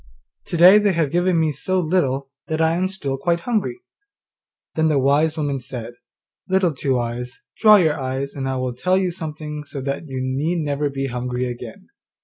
To day they have given me so little that I am still quite hungry.' Then the wise woman said, 'Little Two eyes, dry your eyes, and I will tell you something so that you need never be hungry again.